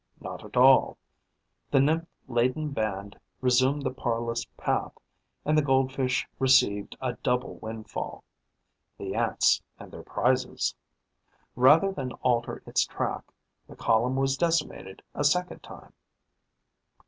Not at all. The nymph laden band resumed the parlous path and the Goldfish received a double windfall: the Ants and their prizes. Rather than alter its track, the column was decimated a second time.